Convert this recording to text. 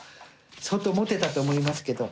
相当モテたと思いますけど。